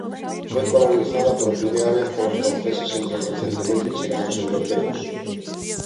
Foi colonizada por primeira vez polos franceses entre os recentemente chegados europeos.